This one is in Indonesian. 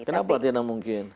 kenapa tidak mungkin